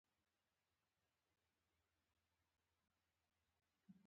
د سهارنۍ لپاره وېښ شولو.